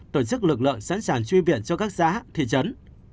tổ chức lực lượng sẵn sàng truy viện cho các xã thị trấn